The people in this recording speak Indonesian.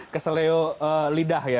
keselio lidah ya